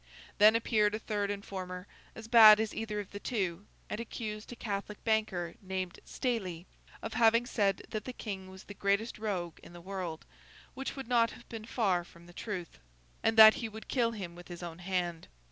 Then appeared a third informer, as bad as either of the two, and accused a Catholic banker named Stayley of having said that the King was the greatest rogue in the world (which would not have been far from the truth), and that he would kill him with his own hand.